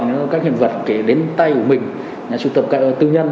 thì các hình vật kể đến tay của mình nhà sưu tập tư nhân